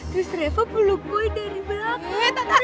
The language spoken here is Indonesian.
terus reva belok boy dari belakang